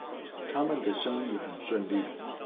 他們的生意很順利